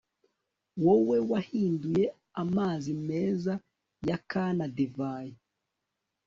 Wowe wahinduye amazi meza ya Kana divayi